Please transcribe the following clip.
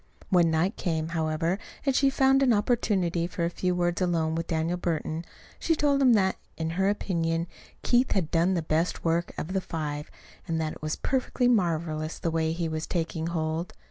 When night came, however, and she found an opportunity for a few words alone with Daniel Burton, she told him that, in her opinion, Keith had done the best work of the five, and that it was perfectly marvelous the way he was taking hold.